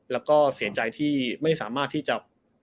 แล้วก็เสียใจที่ไม่สามารถที่จะ